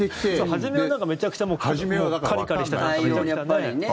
初めは、めちゃくちゃもうカリカリしてたのに。